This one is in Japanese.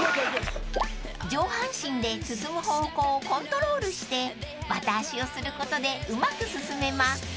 ［上半身で進む方向をコントロールしてバタ足をすることでうまく進めます］